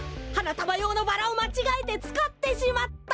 たばようのバラをまちがえてつかってしまった！